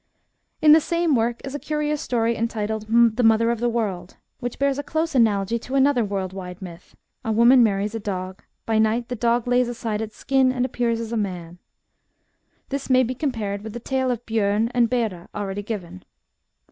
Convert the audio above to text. In the same work is a curious story entitled The Mother of the World, which bears a close analogy to another world wide myth : a woman marries a dog, by night the dog lays aside its sldn, and appears as a man. 124 THE BOOK OF WERE WOLVES. This may be compared with the tale of Bjorn and Bera already given.